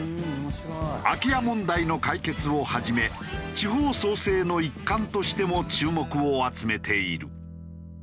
空き家問題の解決をはじめ地方創生の一環としても注目を集めている。